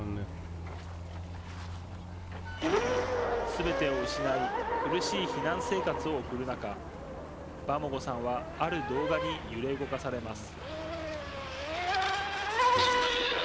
すべてを失い苦しい避難生活を送る中バモゴさんはある動画に揺れ動かされます。